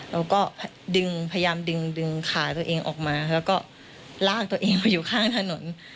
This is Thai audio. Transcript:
เราก็ดึงพยายามดึงขาตัวเองออกมาแล้วก็ลากตัวเองมาอยู่ข้างถนน